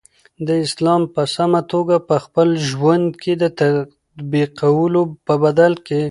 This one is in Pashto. د اسلام په سمه توګه په خپل ژوند کی د تطبیقولو په بدل کی